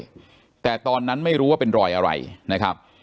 แต่ตอนนั้นไม่รู้ว่าเป็นรอยอะไรนะครับ